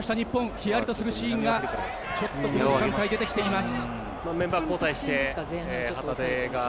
ヒヤリとするシーンがちょっとこの時間帯、出てきています。